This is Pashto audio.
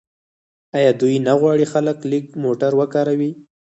آیا دوی نه غواړي خلک لږ موټر وکاروي؟